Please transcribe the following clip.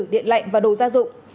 điện lạnh và đồ gia dụng